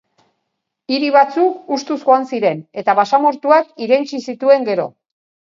Hiri batzuk hustuz joan ziren eta basamortuak irentsi zituen gero.